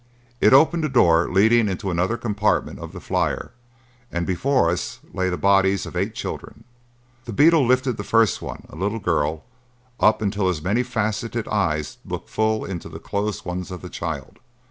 It opened a door leading into another compartment of the flyer, and before us lay the bodies of eight children. The beetle lifted the first one, a little girl, up until his many faceted eyes looked full into the closed ones of the child.